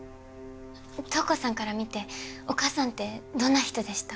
瞳子さんから見てお母さんってどんな人でした？